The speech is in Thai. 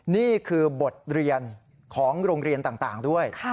นี่คือบทเรียนของโรงเรียนต่างด้วย